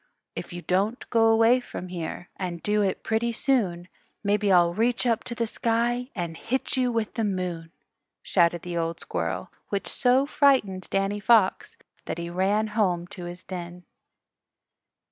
"If you don't go away from here, And do it pretty soon, Maybe I'll reach up to the sky And hit you with the moon," shouted the old squirrel, which so frightened Danny Fox that he ran home to his den.